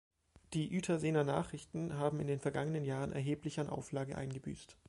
Die "Uetersener Nachrichten" haben in den vergangenen Jahren erheblich an Auflage eingebüßt.